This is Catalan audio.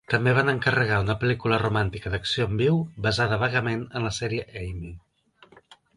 També van encarregar una pel·lícula romàntica d'acció en viu basada vagament en la sèrie "Ami".